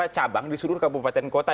cabang di seluruh kabupaten kota